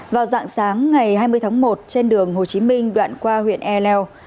vào dạng sáng ngày hai mươi tháng một trên đường hồ chí minh đoạn qua huyện e leo